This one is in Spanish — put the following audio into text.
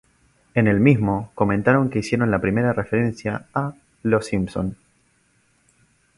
En el mismo comentaron que hicieron la primera referencia a "Los Simpson".